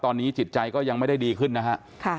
ตอนนี้จิตใจก็ยังไม่ได้ดีขึ้นนะฮะ